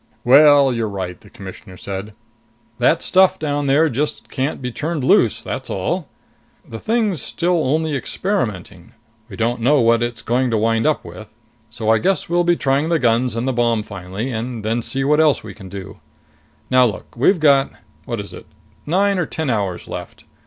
"Well, you're right," the Commissioner said. "That stuff down there just can't be turned loose, that's all! The thing's still only experimenting. We don't know what it's going to wind up with. So I guess we'll be trying the guns and the bomb finally, and then see what else we can do.... Now look, we've got what is it? nine or ten hours left.